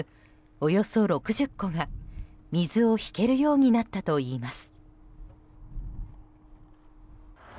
およそ６０戸が水を引けるようになったといいます。